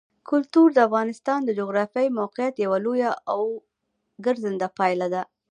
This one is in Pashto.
کلتور د افغانستان د جغرافیایي موقیعت یوه لویه او څرګنده پایله ده.